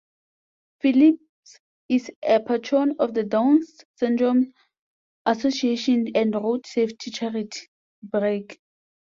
Phillips is a patron of the Down's Syndrome Association and road safety charity, Brake.